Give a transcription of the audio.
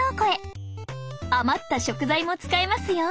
余った食材も使えますよ